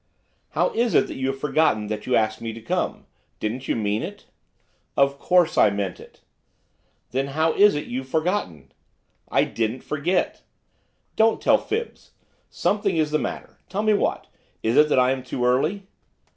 'How is it that you have forgotten that you asked me to come? didn't you mean it?' 'Of course I meant it.' 'Then how is it you've forgotten?' 'I didn't forget.' 'Don't tell fibs. Something is the matter, tell me what it is. Is it that I am too early?